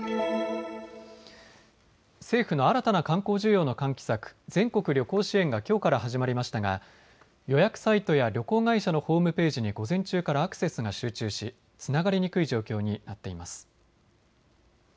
政府の新たな観光需要の喚起策、全国旅行支援がきょうから始まりましたが、予約サイトや旅行会社のホームページに午前中からアクセスが集中しつながりにくい状況になっています。